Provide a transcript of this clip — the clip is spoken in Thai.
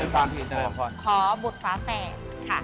ขอบุตรฝาแฝดค่ะ